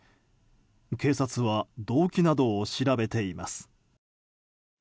警察は動機などを調べています。